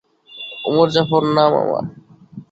ওমর জাফর নাম আমার।